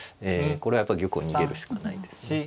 これはやっぱり玉を逃げるしかないですね。